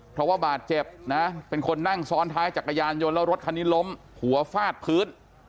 เพราะว่าบาดเจ็บนะเป็นคนนั่งซ้อนท้ายจักรยานยนต์แล้วรถคันนี้ล้มหัวฟาดพื้น